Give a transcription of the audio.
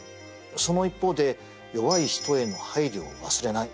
その一方で弱い人への配慮を忘れない。